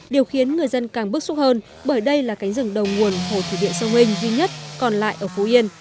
điều khiến người dân càng bức xúc hơn bởi đây là cánh rừng đầu nguồn hồ thủy điện sông hình duy nhất còn lại ở phú yên